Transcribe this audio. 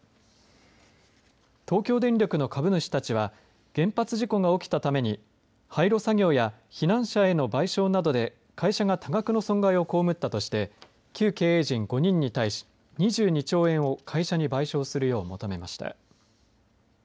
東京電力の株主たちは原発事故が起きたために廃炉作業や避難者への賠償などで会社が多額の損害を被ったとして旧経営陣に対し２２兆円を会社に賠償するよう求めました。